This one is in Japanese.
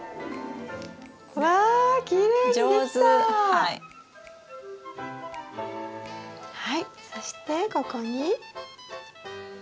はいそしてここに？